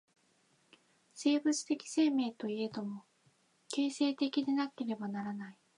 生物的生命といえども、形成的でなければならない。